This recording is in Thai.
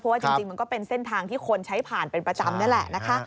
ว่าจริงมันก็เป็นเส้นทางที่คนใช้ผ่านเป็นประจำนี่แหละนะคะ